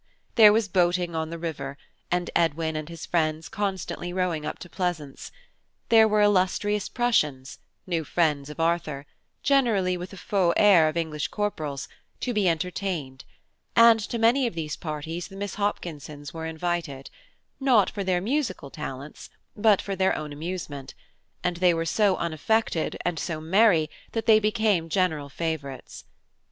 There was boating on the river, and Edwin and his friends constantly rowing up to Pleasance. There were illustrious Prussians, new friends of Arthur, generally with a faux air of English corporals, to be entertained–and to many of these parties the Miss Hopkinsons were invited, not for their musical talents, but for their own amusement, and they were so unaffected and so merry that they became general favourites.